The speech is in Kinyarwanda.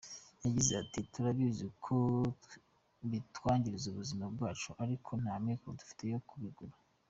Yagize ati :"Turabizi ko bitwangiriza ubuzima bwacu ariko nta mikoro dufite yo kubigura.